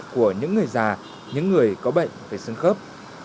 của những người già những người có bệnh về xương khớp